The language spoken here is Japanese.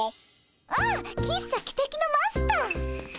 あっ喫茶汽笛のマスター。